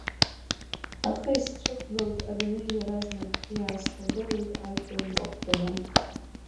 Ахы исцәықәгылт адунеи иаразнак, иаасхагылеит ажәҩан лаҟәӡаны.